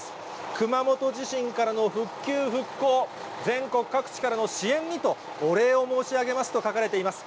熊本地震からの復旧・復興、全国各地からの支援にと、お礼を申し上げますと、書かれています。